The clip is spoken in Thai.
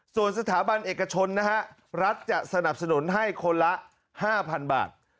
ส่วนสถาบันเอกชนนะฮะรัฐจะสนับสนุนให้คนละ๕๐๐๐บาท